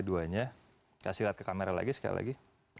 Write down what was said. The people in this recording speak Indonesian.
keduanya kasih lihat ke kamera lagi sekali lagi